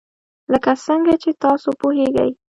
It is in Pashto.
لکه څنګه چې تاسو پوهیږئ.